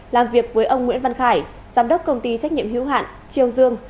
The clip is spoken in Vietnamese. làm việc với ông nguyễn văn khải giám đốc công ty trách nhiệm hiếu hạn triều dương